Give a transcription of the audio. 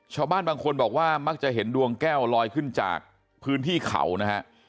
ชาวบ้านบางคนบอกว่ามักจะเห็นดวงแก้วลอยขึ้นจากพื้นที่เขานะฮะ